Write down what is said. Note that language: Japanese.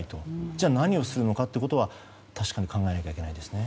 じゃあ何をするのかということは確かに考えないといけないですね。